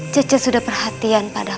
jeje sudah perhatian padaku